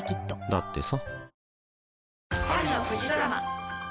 だってさ